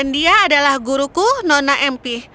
dia adalah guruku nona empi